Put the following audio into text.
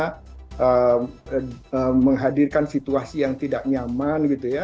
kita menghadirkan situasi yang tidak nyaman gitu ya